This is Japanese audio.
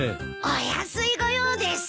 お安いご用です。